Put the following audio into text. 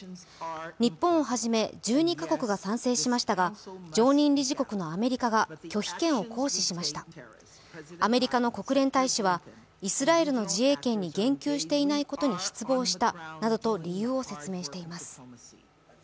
日本をはじめ１２か国が賛成しましたが常任理事国のアメリカが拒否権を行使しましたアメリカの国連大使は、イスラエルの自衛権に言及してないことに失望したなどと理由を説明しています。